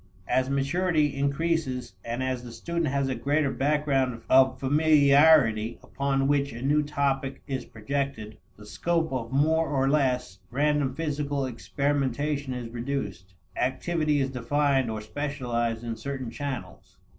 As maturity increases and as the student has a greater background of familiarity upon which a new topic is projected, the scope of more or less random physical experimentation is reduced. Activity is defined or specialized in certain channels.